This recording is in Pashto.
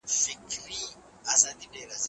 فورډ نوی ډیزاین جوړ کړ.